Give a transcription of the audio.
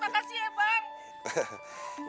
makasih ya bang